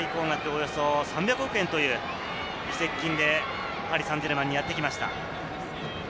およそ３００億円という移籍金でパリ・サンジェルマンにやってきました。